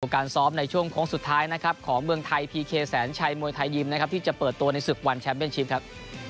การซ้อมในช่วงโค้งสุดท้ายนะครับของเมืองไทยพีเคแสนชัยมวยไทยยิมนะครับที่จะเปิดตัวในศึกวันแชมป์เป็นชิปครับ